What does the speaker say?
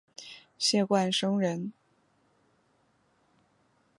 谢冠生人。